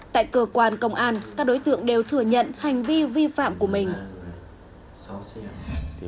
tại cơ quan công an các đối tượng đều thừa nhận hành vi vi phạm của mình